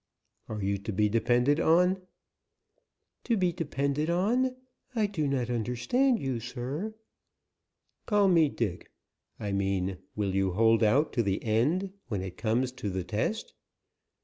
"Are you to be depended on?" "To be depended on? I do not understand you, sir." "Call me Dick. I mean, will you hold out to the end, when it comes to the test?"